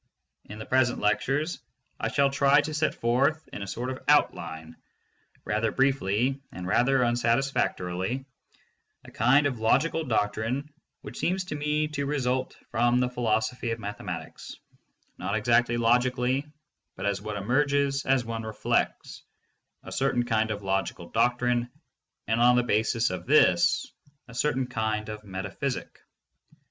In the present lectures, I shall try to set forth in a sort of outline, rather briefly and rather 496 THE MONIST. unsatisfactorily, a kind of logical doctrine which seems to me to result from the philosophy of mathematics — not ex actly logically, but as what emerges as one reflects : a cer tain kind of logical doctrine, and on the basis of this a certain kind of metaphysic.